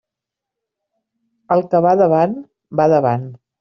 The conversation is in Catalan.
El que va davant, va davant.